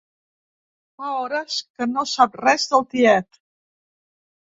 Fa hores que no sap res del tiet.